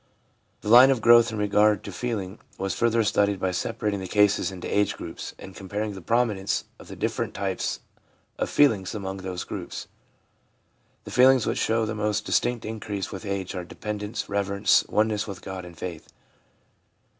The line of growth in regard to feeling was further studied by separating the cases into age groups and comparing the prominence of the different types of feelings among those groups. The feelings which show the most distinct increase with age are dependence, reverence, oneness with God, and faith.